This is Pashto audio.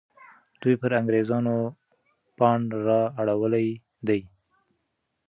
دوی پر انګریزانو پاڼ را اړولی دی.